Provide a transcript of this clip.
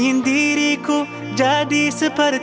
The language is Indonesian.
ya udah makasih ustaz